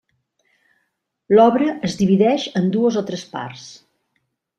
L'obra es divideix en dues o tres parts.